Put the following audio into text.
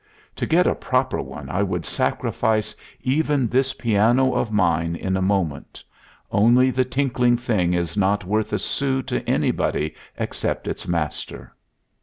To get a proper one I would sacrifice even this piano of mine in a moment only the tinkling thing is not worth a sou to anybody except its master.